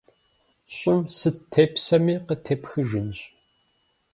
Щӏым сыт тепсэми, къытепхыжынщ.